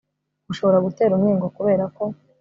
bushobora gutera umwingo kubera ko